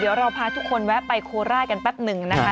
เดี๋ยวเราพาทุกคนแวะไปโคราชกันแป๊บหนึ่งนะคะ